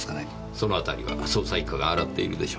そのあたりは捜査一課が洗っているでしょう。